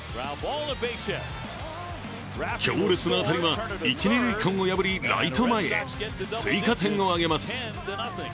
強烈な当たりは一、二塁間を破りライト前へ追加点を挙げます。